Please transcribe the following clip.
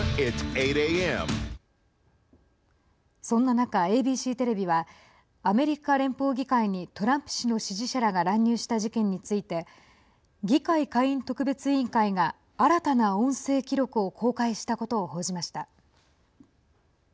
そんな中、ＡＢＣテレビはアメリカ連邦議会にトランプ氏の支持者らが乱入した事件について議会下院特別委員会が新たな音声記録を公開したことを報じました。